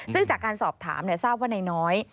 ซึ่งจากการสอบถามทราบว่านายน้อย